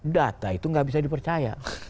data itu nggak bisa dipercaya